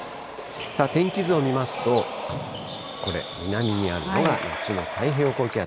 天気図を見ますと、これ南にあるのが、夏の太平洋高気圧。